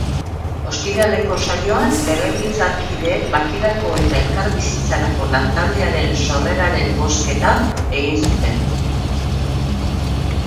Ostiraleko saioan legebiltzarkideek bakerako eta elkarbizitzarako lantaldearen sorreraren bozketa egin zuten.